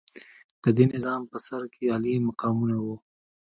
د دې نظام په سر کې عالي مقامونه وو.